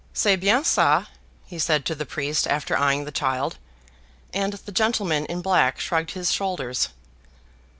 "C'est bien ca," he said to the priest after eying the child, and the gentleman in black shrugged his shoulders.